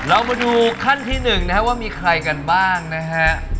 เรามาดูขั้นที่๑นะครับว่ามีใครกันบ้างนะฮะ